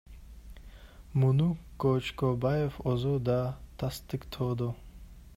Муну Көчкөнбаев өзү да тастыктоодо.